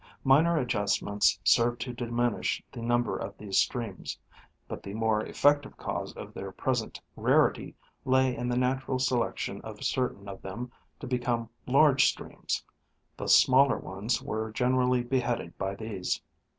Minor adjust ments served to diminish the number of these streams, but the more effective cause of their present rarity lay in the natural selec tion of certain of them to become large streams ; the smaller ones were generally beheaded by these.